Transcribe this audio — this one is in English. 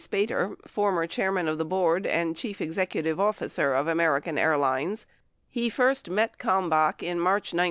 Spater, former chair man of the board and chief executive officer of American Airlines, he first met Kalmbach in March 1971.